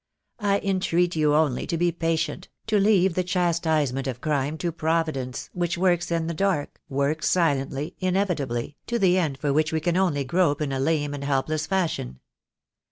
I entreat you only to be patient, to leave the chastisement of crime to Pro vidence, which works in the dark, works silently, in evitably, to the end for which we can only grope in a lame and helpless fashion.